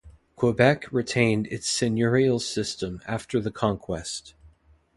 Quebec retained its seigneurial system after the conquest.